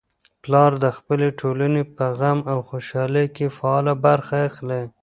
پلار د خپلې ټولنې په غم او خوشالۍ کي فعاله برخه اخلي.